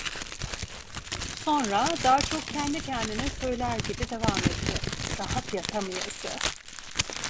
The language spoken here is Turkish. Sonra, daha çok kendi kendine söyler gibi devam etti: "Rahat yatamıyası…"